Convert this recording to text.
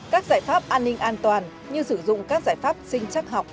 các giải pháp an ninh an toàn như sử dụng các giải pháp sinh chắc học